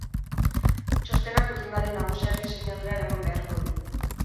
Txostenak zuzendari nagusiaren sinadura eraman beharko du.